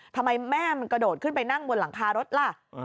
ทำไมแม่มันกระโดดขึ้นไปนั่งบนหลังคารถล่ะ